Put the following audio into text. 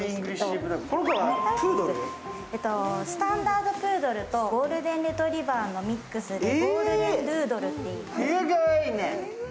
スタンダードプードルと、ゴールデンリトリバーのミックスでゴールデンドゥードルっていいます。